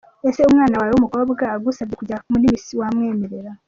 Ese umwana wawe w'umukobwa agusabye kujya muri Miss Rwanda wamwemerera?.